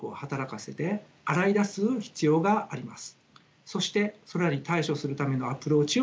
そしてそれらに対処するためのアプローチを検討します。